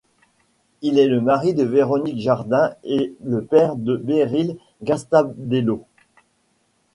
Il est le mari de Véronique Jardin et le père de Béryl Gastaldello.